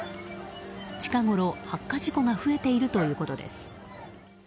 近ごろ、発火事故が増えているということです。